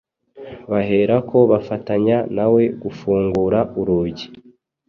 baherako bafatanya nawe gufungura urugi